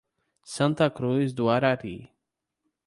Santa Cruz do Arari